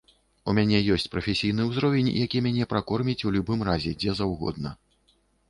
У мяне ёсць прафесійны ўзровень, які мяне пракорміць у любым разе дзе заўгодна.